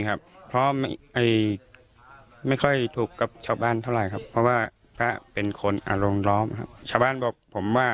ครับเพราะเอไอไม่ค่อยถูกกับชาวบ้านเท่าไรครับเพราะว่าก็ปลากเป็นคนอรงล้อมชาวบ้านบอกผมว่า